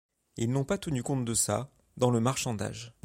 Ils n’ont pas tenu compte de ça, dans le marchandage.